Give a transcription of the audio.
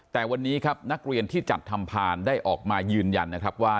แต่วันนี้ครับนักเรียนที่จัดทำพานได้ออกมายืนยันนะครับว่า